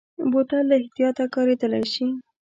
بوتل له احتیاطه کارېدلی شي.